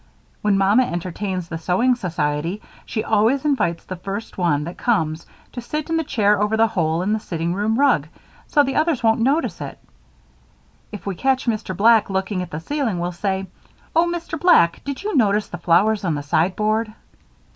When Mamma entertains the sewing society she always invites the first one that comes to sit in the chair over the hole in the sitting room rug so the others won't notice it. If we catch Mr. Black looking at the ceiling we'll say: 'Oh, Mr. Black, did you notice the flowers on the sideboard?'"